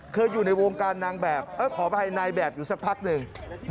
อยู่ในวงการนางแบบขออภัยนายแบบอยู่สักพักหนึ่ง